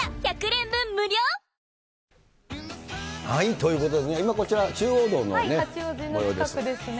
ということでね、今、八王子の近くですね。